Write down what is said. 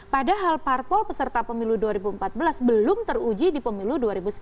padahal parpol peserta pemilu dua ribu empat belas belum teruji di pemilu dua ribu sembilan belas